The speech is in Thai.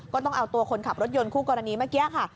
ก็ต้องเอาตัวคนขับรถยนต์คู่กรณีเมื่อกี้ค่ะ